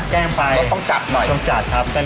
อ๋อเหมือนมันจะไปกลับแก้ง